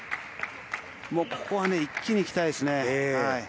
一気にいきたいですね。